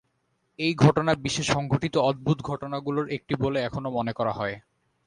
এই ঘটনা বিশ্বে সংঘটিত অদ্ভুত ঘটনাগুলোর একটি বলে এখনো মনে করা হয়।